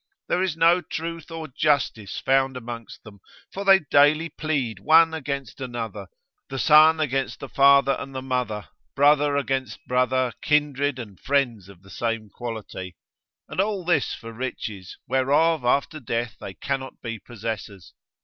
There is no truth or justice found amongst them, for they daily plead one against another, the son against the father and the mother, brother against brother, kindred and friends of the same quality; and all this for riches, whereof after death they cannot be possessors.